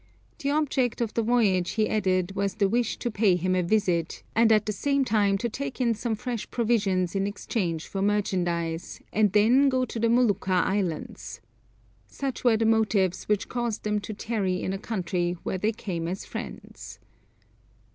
The object of the voyage, he added, was the wish to pay him a visit, and at the same time to take in some fresh provisions in exchange for merchandise, and then to go to the Molucca Islands. Such were the motives which caused them to tarry in a country where they came as friends.